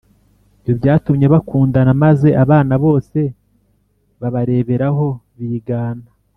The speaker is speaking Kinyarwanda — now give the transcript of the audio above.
Ibyo byatumye bakundana, maze abana bose babareberaho, bigana